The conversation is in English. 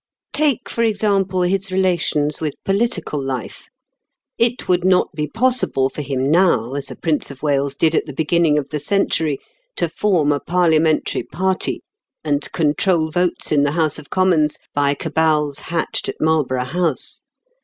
Take, for example, his relations with political life. It would not be possible for him now, as a Prince of Wales did at the beginning of the century, to form a Parliamentary party, and control votes in the House of Commons by cabals hatched at Marlborough House.